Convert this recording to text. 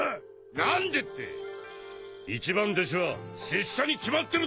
何でって一番弟子は拙者に決まってるだろう